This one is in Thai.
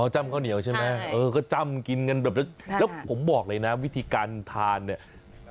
จ้ำข้าวเหนียวใช่ไหมเออก็จ้ำกินกันแบบแล้วผมบอกเลยนะวิธีการทานเนี่ย